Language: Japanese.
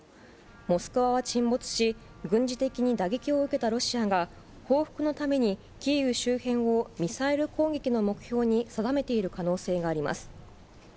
モスクワは沈没し、軍事的に打撃を受けたロシアが、報復のためにキーウ周辺を、ミサイル攻撃の目標に定めている可能性があります。